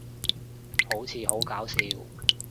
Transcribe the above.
好似好搞笑